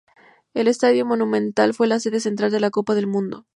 El Estadio Monumental fue la sede central de la Copa del Mundo.